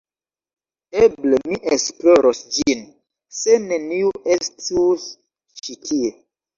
Eble mi esploros ĝin, se neniu estus ĉi tie.